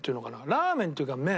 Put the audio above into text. ラーメンっていうか麺。